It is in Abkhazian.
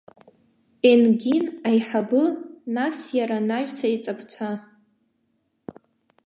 Енгин аиҳабы, нас иара, анаҩс аиҵбацәа.